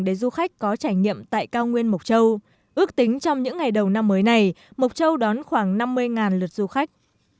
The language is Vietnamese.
để du khách có trải nghiệm tại cao nguyên mộc châu ước tính trong những ngày đầu năm mới này mộc châu đón khoảng năm mươi lượt du khách